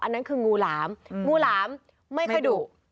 อันนั้นคืองูหลามงูหลามไม่ค่อยดุ